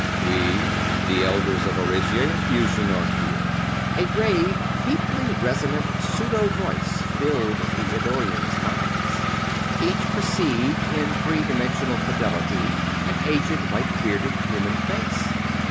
"We, the Elders of Arisia in fusion, are here." A grave, deeply resonant pseudo voice filled the Eddorians' minds; each perceived in three dimensional fidelity an aged, white bearded human face.